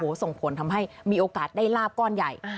ส่งผลทำให้มีโอกาสได้ลาบก้อนใหญ่